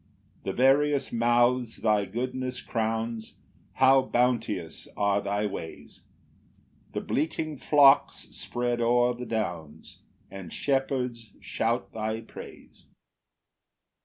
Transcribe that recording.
6 The various months thy goodness crowns; How bounteous are thy ways; The bleating flocks spread o'er the downs, And shepherds shout thy praise.